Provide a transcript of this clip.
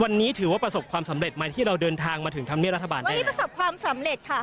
วันนี้ถือว่าประสบความสำเร็จไหมที่เราเดินทางมาถึงธรรมเนียรัฐบาลอันนี้ประสบความสำเร็จค่ะ